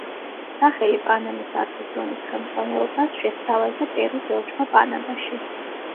სახელი პანამის არხის ზონის ხელმძღვანელობას შესთავაზე პერუს ელჩმა პანამაში.